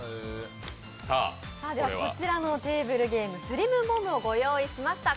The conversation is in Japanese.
こちらのテーブルゲーム、スリルボムをご用意しました。